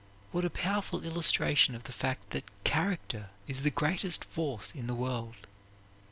What a powerful illustration of the fact that character is the greatest force in the world!